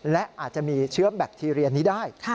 และอาจจะมีเชื้อแบคทีเรียนี้ได้